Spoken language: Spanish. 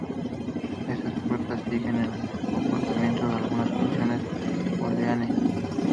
Estas puertas siguen el comportamiento de algunas funciones booleanas.